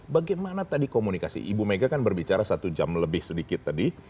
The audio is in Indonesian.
bagaimana tadi komunikasi ibu mega kan berbicara satu jam lebih sedikit tadi